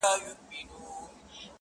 • یو ډارونکی، ورانونکی شی خو هم نه دی،